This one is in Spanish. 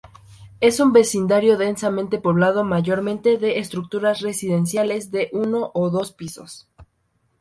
Es un vecindario densamente poblado, mayormente de estructuras residenciales de uno o dos pisos.